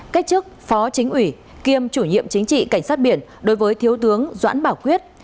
cách chức phó chính ủy kiêm chủ nhiệm chính trị cảnh sát biển đối với thiếu tướng doãn bảo quyết